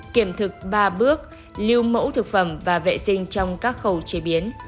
kiểm thực ba bước lưu mẫu thực phẩm và vệ sinh trong các khâu chế biến